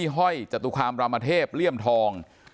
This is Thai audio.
ห้อยจตุคามรามเทพเลี่ยมทอง